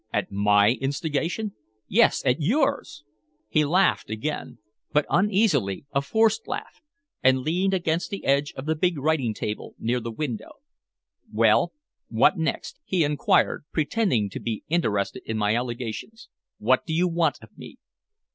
"At my instigation?" "Yes, at yours!" He laughed again, but uneasily, a forced laugh, and leaned against the edge of the big writing table near the window. "Well, what next?" he inquired, pretending to be interested in my allegations. "What do you want of me?"